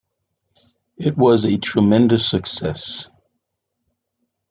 It was a tremendous success.